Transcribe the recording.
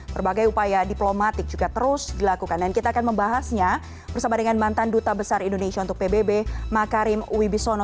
berbagai upaya diplomatik juga terus dilakukan dan kita akan membahasnya bersama dengan mantan duta besar indonesia untuk pbb makarim wibisono